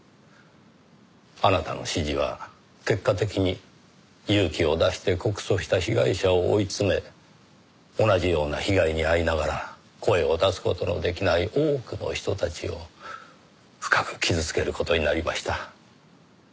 あなたの指示は結果的に勇気を出して告訴した被害者を追い詰め同じような被害に遭いながら声を出す事の出来ない多くの人たちを深く傷つける事になりました。